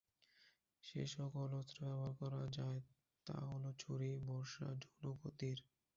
যে সকল অস্ত্র ব্যবহার করা যায় তা হলো ছুরি, বর্শা, ধনুক ও তীর।